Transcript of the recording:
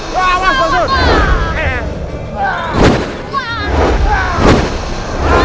berimba seranganku ini